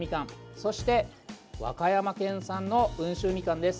そして、和歌山県産の温州みかんです。